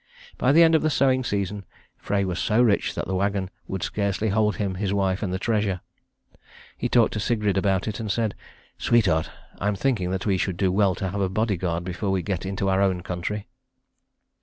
By the end of the sowing season Frey was so rich that the wagon would scarcely hold him, his wife and the treasure. He talked to Sigrid about it, and said, "Sweetheart, I am thinking that we should do well to have a bodyguard before we get into our own country."